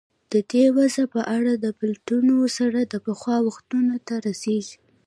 د دې وضع په اړه د پلټنو سر د پخوا وختونو ته رسېږي.